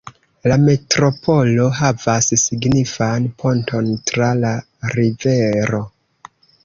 La metropolo havas signifan ponton tra la rivero.